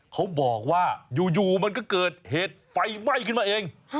เขาบอกว่าอยู่มันก็เกิดเหตุไฟไหม้ขึ้นมาเอง